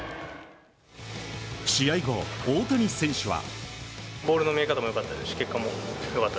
試合後、大谷選手は。